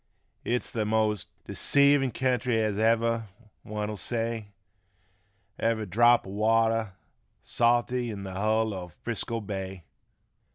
It's th' most deceivin' kentry as ever' one'll say Ever' drap o' water salty in th' hull o' Frisco bay.